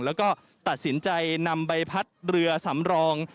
แล้วก็ตัดสินใจนำใบพัดเรือสำรอง